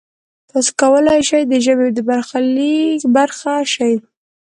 تاسو کولای شئ د ژبې د برخلیک برخه شئ.